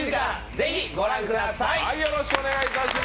ぜひ、ご覧ください。